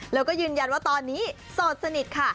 แล้วก็ยืนยันว่าตอนนี้โสดสนิทค่ะ